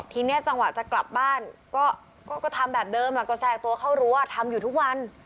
ทีนี้จังหวะจะกลับบ้านก็ทำแบบเดิมก็แทรกตัวเข้ารั้วทำอยู่ทุกวัน